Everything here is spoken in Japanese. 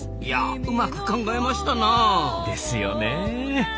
いやうまく考えましたなあ。ですよね。